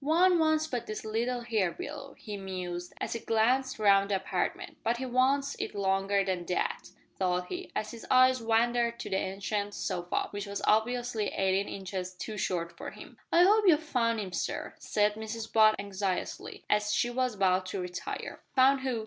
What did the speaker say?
"`One wants but little here below,'" he mused, as he glanced round the apartment; "but he wants it longer than that," thought he, as his eyes wandered to the ancient sofa, which was obviously eighteen inches too short for him. "I 'ope you've found 'im, sir," said Mrs Butt anxiously, as she was about to retire. "Found who?"